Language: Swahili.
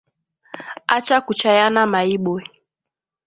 Acha kuchayana maibwe